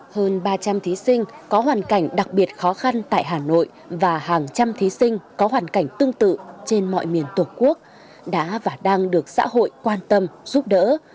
hơn ba trăm linh thí sinh có hoàn cảnh đặc biệt khó khăn tại hà nội và hàng trăm thí sinh có hoàn cảnh tương tự trên mọi miền tổ quốc đã và đang được xã hội quan tâm giúp đỡ